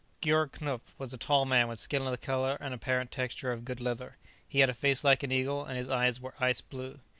Georg Knupf was a tall man with skin the color and apparent texture of good leather. He had a face like an eagle, and his eyes were ice blue.